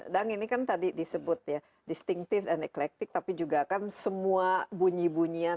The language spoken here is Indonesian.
kang ini kan tadi disebut ya distinctive and elektrik tapi juga kan semua bunyi bunyian